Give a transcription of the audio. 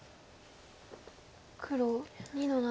黒２の七。